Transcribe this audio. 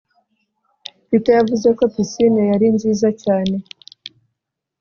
Peter yavuze ko pisine yari nziza cyane